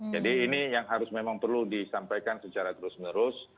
jadi ini yang harus memang perlu disampaikan secara terus menerus